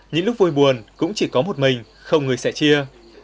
những lúc vui buồn cũng chỉ có một mình không người sẽ chia